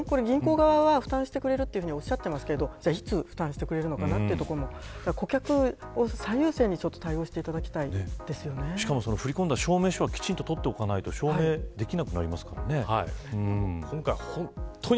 手数料分は銀行側が負担してくれるとおっしゃってますけど別負担してくれるのかなというところも顧客を最優先に振り込んだ証明書はきちんととっておかないと証明できなくなりますからね。